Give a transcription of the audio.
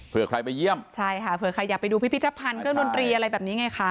เพื่อใครไปเยี่ยมใช่ค่ะเผื่อใครอยากไปดูพิพิธภัณฑ์เครื่องดนตรีอะไรแบบนี้ไงคะ